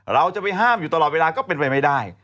เราจะไปห้ามอยู่ตลอดเวลาก็เป็นไปไม่ได้